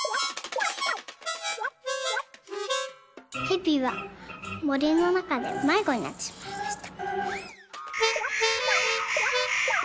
「へびはもりのなかでまいごになってしまいました」。